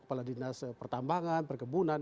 kepala dinas pertambangan perkebunan